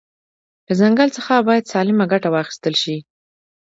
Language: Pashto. له ځنګل ځخه باید سالمه ګټه واخیستل شي